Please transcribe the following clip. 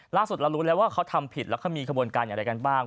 ล่าสุดเรารู้แล้วว่าเขาทำผิดแล้วเขามีขบวนการอย่างไรกันบ้าง